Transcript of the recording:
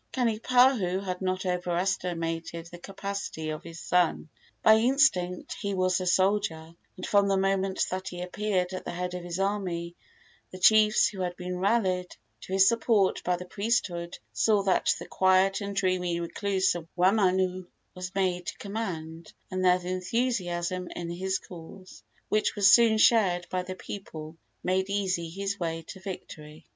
Kanipahu had not overestimated the capacity of his son. By instinct he was a soldier, and from the moment that he appeared at the head of his army the chiefs who had been rallied to his support by the priesthood saw that the quiet and dreamy recluse of Waimanu was made to command; and their enthusiasm in his cause, which was soon shared by the people, made easy his way to victory.